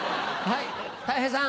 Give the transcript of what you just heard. はい。